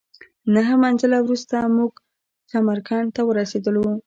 نهه منزله وروسته موږ چمرکنډ ته ورسېدلو.